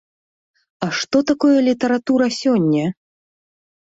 А што такое літаратура сёння?